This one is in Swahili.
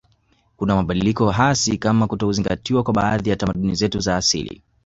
Kuna mabadiliko hasi kama kutozingatiwa kwa baadhi ya tamaduni zetu za asili